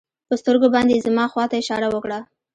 په سترګو باندې يې زما خوا ته اشاره وکړه.